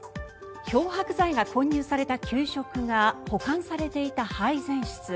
漂白剤が混入された給食が保管されていた配膳室。